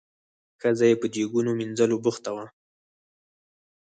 ښځه یې په دیګونو مینځلو بوخته وه.